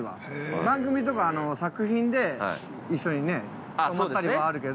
番組とか作品で一緒にね踊ったりはあるけど。